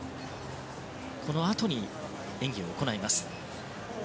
このあとに演技を行います。